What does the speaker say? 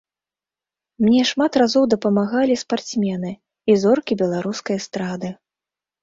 Мне шмат разоў дапамагалі спартсмены і зоркі беларускай эстрады.